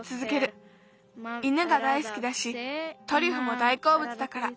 犬が大すきだしトリュフも大こうぶつだから。